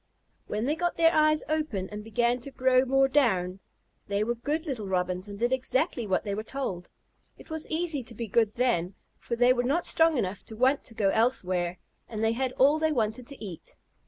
When they got their eyes open and began to grow more down, they were good little Robins and did exactly as they were told. It was easy to be good then, for they were not strong enough to want to go elsewhere, and they had all they wanted to eat.